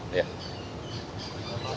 terima kasih pak